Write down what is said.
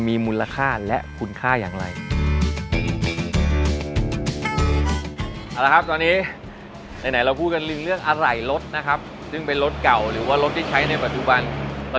มีมูลค่าและคุณค่าอย่างไรรดไหนเราก็บินเลื่อนอะไรรถนะครับถึงเป็นรถเก่าหรือว่ารถที่ใช้ในปัจจุบันนู่น